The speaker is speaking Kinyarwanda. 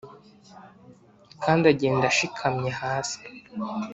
kandi agenda ashikamye hasi.